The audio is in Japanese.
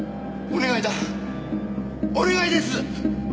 お願いです。